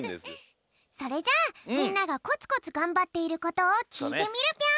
それじゃあみんながコツコツがんばっていることをきいてみるぴょん！